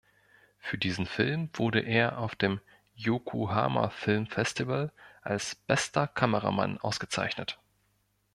Für diesen Film wurde er auf dem Yokohama Film Festival als "Bester Kameramann" ausgezeichnet.